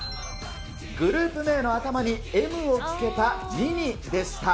グループ名の頭にＭをつけたＭＩＮＩでした。